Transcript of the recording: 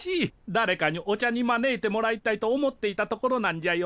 だれかにお茶に招いてもらいたいと思っていたところなんじゃよ。